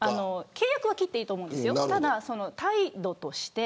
契約は切っていいと思うんですけど、態度として。